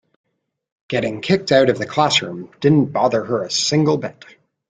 Getting kicked out of the classroom didn't bother her a single bit.